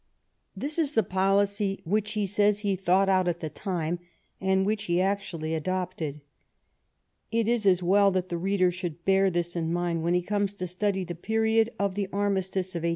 This is the policy which he says he thought out at the time, and which he actually adopted. It is as well that the reader should bear this in mind when he comes to study the period of the armistice of 1813.